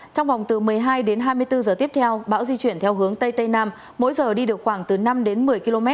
trong vòng từ một mươi hai đến hai mươi bốn giờ tiếp theo bão di chuyển theo hướng tây tây nam mỗi giờ đi được khoảng từ năm đến một mươi km